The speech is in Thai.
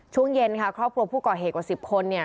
ช่วงเย็นค่ะครอบครัวผู้ก่อเหตุกว่า๑๐คน